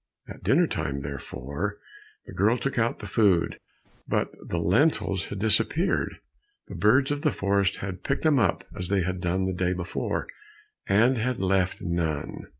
At dinner time, therefore, the girl took out the food, but the lentils had disappeared. The birds of the forest had picked them up as they had done the day before, and had left none.